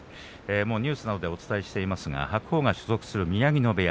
ニュースなどでお伝えしていますが白鵬が所属する宮城野部屋